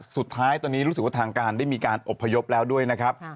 สุดท้ายตอนนี้รู้สึกว่าทางการได้มีการอบพยพแล้วด้วยนะครับ